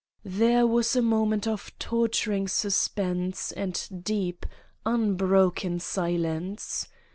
There was a moment of torturing suspense and deep, unbroken silence.